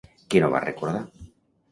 Què no va recordar?